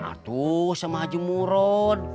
atuh sama haji murad